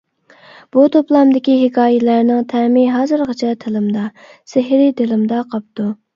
بۇ توپلامدىكى ھېكايىلەرنىڭ تەمى ھازىرغىچە تىلىمدا، سېھرى دىلىمدا قاپتۇ.